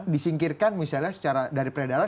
disingkirkan misalnya secara dari peredaran